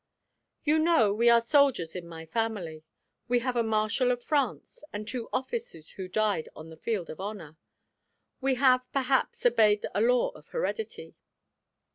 "You know we are soldiers in my family. We have a marshal of France and two officers who died on the field of honor. I have perhaps obeyed a law of heredity.